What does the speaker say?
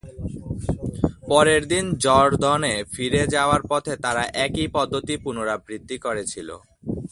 পরের দিন যর্দনে ফিরে যাওয়ার পথে তারা একই পদ্ধতি পুনরাবৃত্তি করেছিল।